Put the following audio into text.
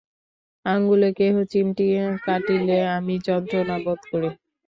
আঙুলে কেহ চিমটি কাটিলে আমি যন্ত্রণা বোধ করি।